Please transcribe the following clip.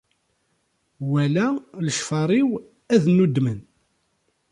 Wala lecfar-iw ad nnudmen.